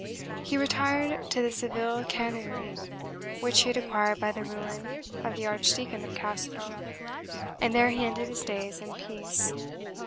He retired to the Seville canonry, which he had acquired by the ruin of the Archdeacon of Castro, and there he ended his days in peace.